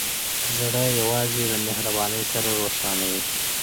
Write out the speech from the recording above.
زړه یوازې له مهربانۍ سره روښانه وي.